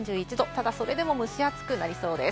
ただそれでも蒸し暑くなりそうです。